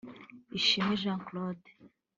Ishimwe Jean Claude